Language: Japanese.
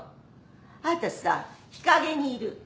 あなたさ日陰にいる。